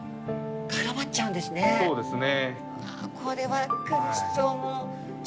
そうですね。